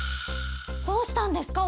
どうしたんですか？